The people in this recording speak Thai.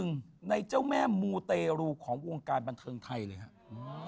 หนึ่งในเจ้าแม่มูเตรูของวงการบันเทิงไทยเลยครับ